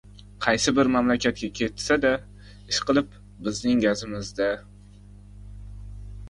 Qaysi bir mamlakatga ketsa-da, ishqilib, bizning gazimiz-da.